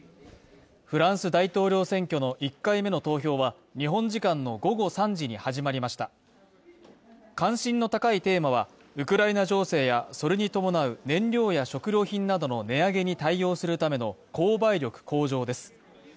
フランス大統領選挙の１回目の投票は日本時間の午後３時に始まりました関心の高いテーマは、ウクライナ情勢やそれに伴う燃料や食料品などの値上げに対応するための購買力です。